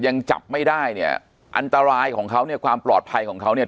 ยังจับไม่ได้เนี่ยอันตรายของเขาเนี่ยความปลอดภัยของเขาเนี่ย